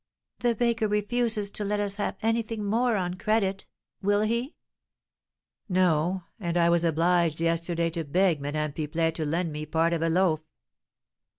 "The baker refuses to let us have anything more on credit, will he?" "No; and I was obliged yesterday to beg Madame Pipelet to lend me part of a loaf."